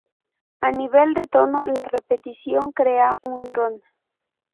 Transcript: A nivel de tono la repetición crea un drone.